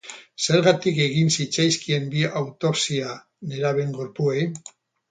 Zergatik egin zitzaizkien bi autopsia nerabeen gorpuei?